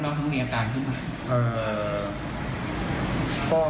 น้องเขามีอาการขึ้นมา